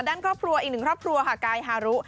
ด้านครอบครัวอีกหนึ่งครอบครัวค่ะกายฮารุ